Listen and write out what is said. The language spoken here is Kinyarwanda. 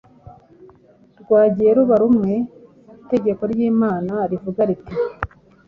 rwagiye ruba rumwe. Itegeko ry’Imana rivuga riti